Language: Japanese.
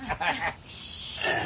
よし。